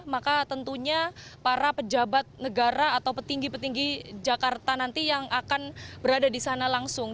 maka tentunya para pejabat negara atau petinggi petinggi jakarta nanti yang akan berada di sana langsung